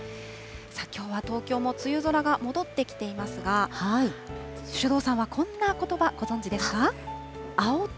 きょうは東京も梅雨空が戻ってきていますが、首藤さんはこんなことば、ご存じですか。